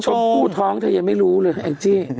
ชมพู่ท้องเธอยังไม่รู้เลยแองจี้